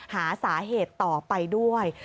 หาสาเหตุต่อไปด้วย